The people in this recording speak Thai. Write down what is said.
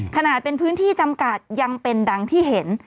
ขนาดเป็นพื้นที่จำกัดยังเป็นดังที่เห็น